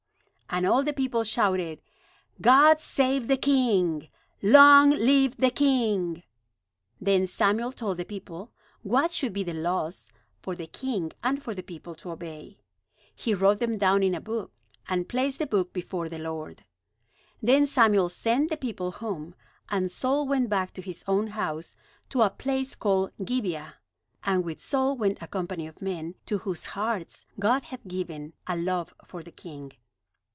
And all the people shouted, "God save the king! Long live the king!" Then Samuel told the people what should be the laws for the king and for the people to obey. He wrote them down in a book, and placed the book before the Lord. Then Samuel sent the people home; and Saul went back to his own house at a place called Gibeah; and with Saul went a company of men to whose hearts God had given a love for the king.